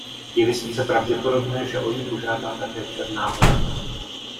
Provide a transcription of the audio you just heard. Je vysoce pravděpodobné, že o ni požádá také Černá Hora.